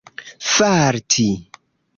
farti